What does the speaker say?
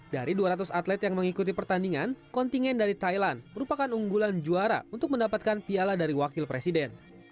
dari dua ratus atlet yang mengikuti pertandingan kontingen dari thailand merupakan unggulan juara untuk mendapatkan piala dari wakil presiden